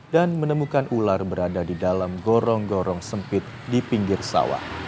dan menemukan ular berada di dalam gorong gorong sempit di pinggir sawah